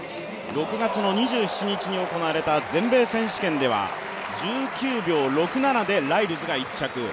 ６月２７日に行われた全米選手権では１９秒６７でライルズが１着。